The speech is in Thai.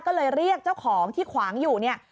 ก็เลยเรียกเจ้าของที่ขวางอยู่เนี่ย